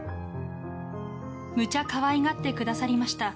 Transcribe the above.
むちゃかわいがってくださりました。